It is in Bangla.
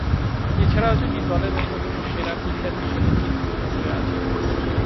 এছাড়াও তিনি দলের অন্যতম সেরা ফিল্ডার হিসেবে চিহ্নিত হয়ে আছেন।